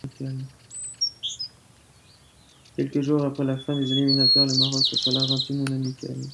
Quelques jours après la fin des éliminatoires, le Maroc reçoit l'Argentine en amical.